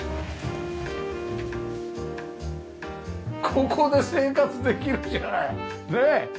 ここで生活できるじゃない。ねえ！